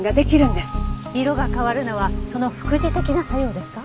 色が変わるのはその副次的な作用ですか？